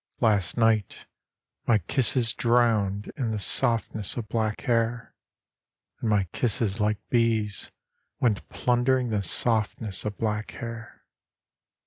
Last night my kissses drowned in the softness of black hair. And my kisses like bees went plundering the softness of black hair.